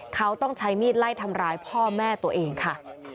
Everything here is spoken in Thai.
เขาต้องใช้มีดไล่ทำร้ายพ่อแม่ตัวเองค่ะ